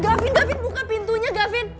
gavin gavin buka pintunya gavin